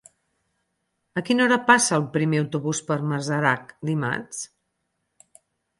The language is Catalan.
A quina hora passa el primer autobús per Masarac dimarts?